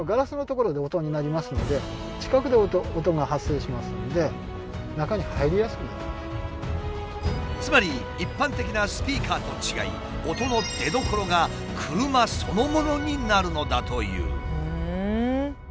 近くで音が発生しますのでつまり一般的なスピーカーと違い音の出どころが車そのものになるのだという。